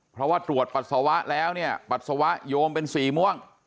เพราะว่าตรวจปัสสาวะแล้วเนี่ยปัสสาวะโยมเป็นสีม่วง